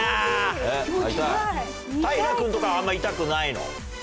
平君とかあんま痛くないの？